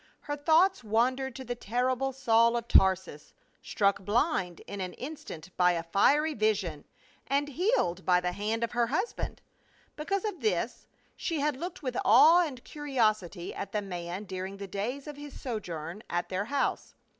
Her thoughts wandered to the terrible Saul of Tarsus, struck blind in an instant by a fiery vision, and healed by the hand of her husband. Because of this she had looked with awe and curiosity at the man during the days of his sojourn at their house.